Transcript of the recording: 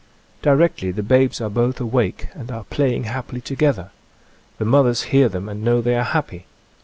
Di rectly the babes are both awake and are play ing happily together. The mothers hear them and know they are happy.